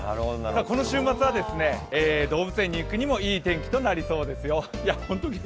この週末は動物園に行くにもいい天気となりそうですよ。